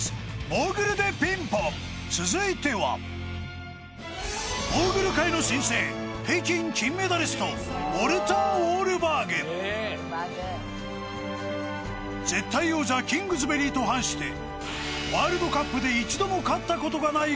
モーグルｄｅピンポン続いてはモーグル界の新星北京金メダリストウォルター・ウォールバーグ絶対王者キングズベリーと反してワールドカップで一度も勝ったことがない